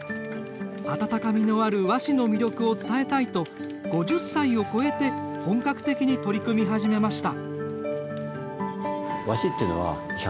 あたたかみのある和紙の魅力を伝えたいと５０歳を超えて本格的に取り組み始めました。